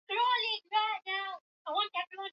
sio kuwa na mikakati au sera ambazo